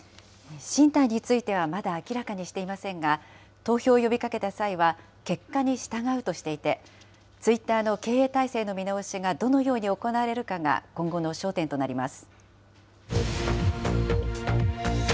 進退についてはまだ明らかにしていませんが、投票を呼びかけた際は、結果に従うとしていて、ツイッターの経営体制の見直しがどのように行われるかが今後の焦点となります。